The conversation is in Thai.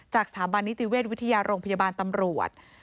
สถาบันนิติเวชวิทยาโรงพยาบาลตำรวจ